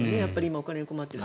お金に困っている人。